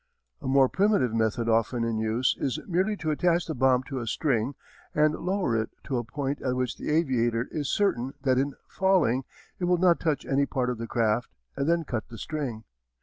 A more primitive method often in use is merely to attach the bomb to a string and lower it to a point at which the aviator is certain that in falling it will not touch any part of the craft, and then cut the string.